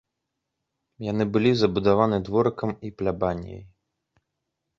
Яны былі забудаваны дворыкам і плябаніяй.